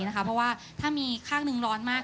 เพราะว่าถ้ามีข้างหนึ่งร้อนมาก